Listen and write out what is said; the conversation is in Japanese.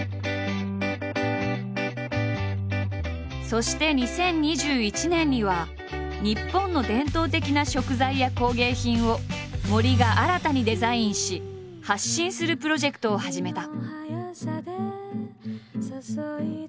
そして２０２１年には日本の伝統的な食材や工芸品を森が新たにデザインし発信するプロジェクトを始めた。